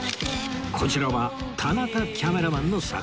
こちらは田中キャメラマンの作品